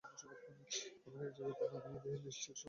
আমাকে এক জায়গায় নামিয়ে দিয়ে, লিস্টের সব জোগাড় করো।